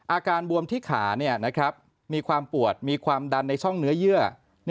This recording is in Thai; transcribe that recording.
อาการบวมที่ขามีความปวดมีความดันในช่องเนื้อเยื่อ